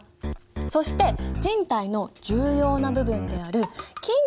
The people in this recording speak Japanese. そして人体の重要な部分であるふん。